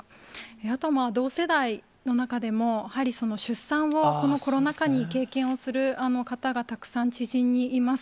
あと同世代の中でも、やはり出産をこのコロナ禍に経験をする方がたくさん知人にいます。